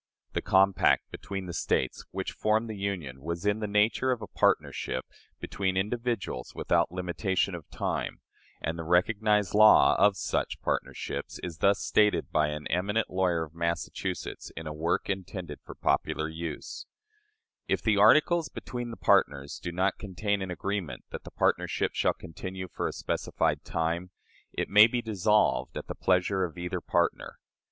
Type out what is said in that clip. The compact between the States which formed the Union was in the nature of a partnership between individuals without limitation of time, and the recognized law of such partnerships is thus stated by an eminent lawyer of Massachusetts in a work intended for popular use: "If the articles between the partners do not contain an agreement that the partnership shall continue for a specified time, it may be dissolved at the pleasure of either partner.